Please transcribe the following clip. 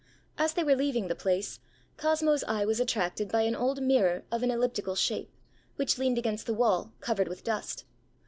As they were leaving the place, Cosmoãs eye was attracted by an old mirror of an elliptical shape, which leaned against the wall, covered with dust.